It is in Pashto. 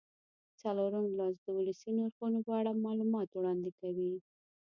څلورم لوست د ولسي نرخونو په اړه معلومات وړاندې کوي.